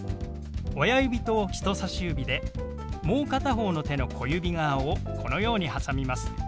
親指と人さし指でもう片方の手の小指側をこのようにはさみます。